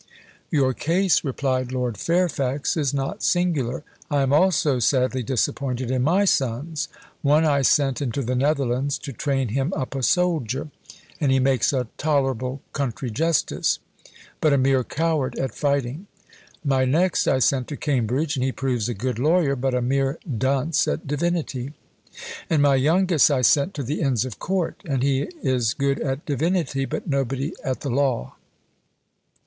"Your case," replied Lord Fairfax, "is not singular. I am also sadly disappointed in my sons: one I sent into the Netherlands to train him up a soldier, and he makes a tolerable country justice, but a mere coward at fighting; my next I sent to Cambridge, and he proves a good lawyer, but a mere dunce at divinity; and my youngest I sent to the inns of court, and he is good at divinity, but nobody at the law."